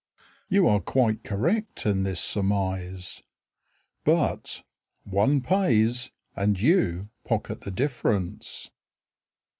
You are quite correct in this surmise. But One pays, And you pocket the difference.